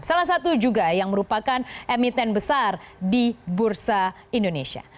salah satu juga yang merupakan emiten besar di bursa indonesia